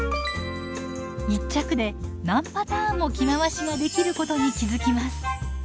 一着で何パターンも着回しができることに気付きます。